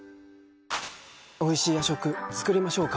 おいしい夜食作りましょうか？